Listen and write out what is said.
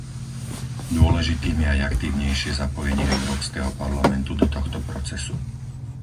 Dôležitým je aj aktívnejšie zapojenie Európskeho parlamentu do tohto procesu.